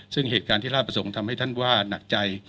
ซึ่งเหตุการณ์ที่ราชประสงค์ทำให้ท่านว่าหนักใจ